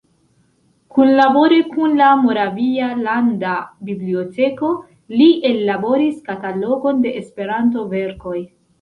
Kunlabore kun la Moravia landa biblioteko li ellaboris katalogon de Esperanto-verkoj.